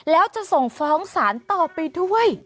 แล้วจะส่งฟ้องศาลต่อไปด้วย